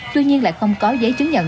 tuy nhiên lại không có giấy chứng nhận